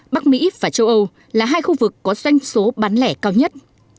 bắc mỹ và châu âu là hai khu vực có doanh số bán lẻ cao nhất